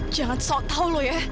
jangan sok tau lo ya